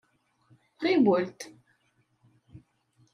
Ɣiwel-d.